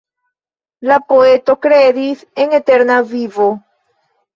La poeto kredis en eterna vivo.